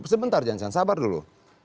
sebentar jangan sabar dulu